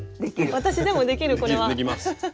私でもできるこれは。できます。